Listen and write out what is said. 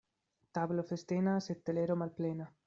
Tablo festena, sed telero malplena.